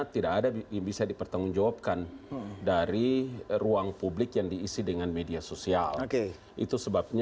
tidak ada yang bisa dipertanggungjawabkan dari ruang publik yang diisi dengan media sosial itu sebabnya